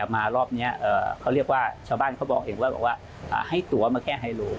มีตัวมาแค่ไฮโล